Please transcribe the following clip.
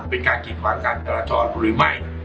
หรือไม่มีการเก็บฺานะจรอยู่ไหน